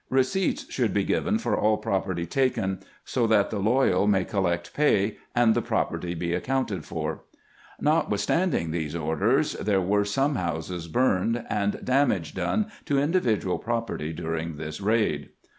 Eeceipts should be given for all property taken, so that the loyal may col lect pay and the property be accounted for." Notwith standing these orders, there were some houses burned and damage done to individual property during this raid.